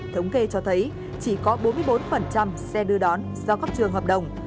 thống kê cho thấy chỉ có bốn mươi bốn xe đưa đón do các trường hợp đồng